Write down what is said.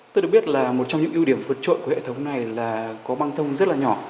tôi được biết là một trong những ưu điểm vượt trội của hệ thống này là có băng thông rất là nhỏ